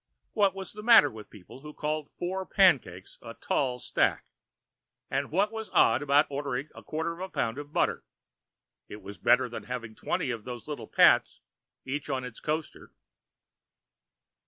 What was the matter with people who called four pancakes a tall stack? And what was odd about ordering a quarter of a pound of butter? It was better than having twenty of those little pats each on its coaster.